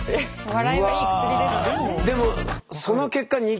笑いはいい薬ですけどね。